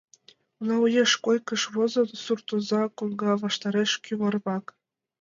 Уна уэш койкыш возо, суртоза — коҥга ваштареш, кӱварвак.